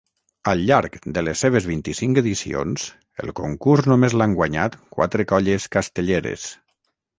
Al llarg de les seves vint-i-cinc edicions, el concurs només l'han guanyat quatre colles castelleres.